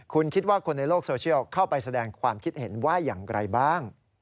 คุณคิดว่าคนในโลกโซเชียลเข้าไปแสดงความคิดเห็นว่าอย่างไรบ้าง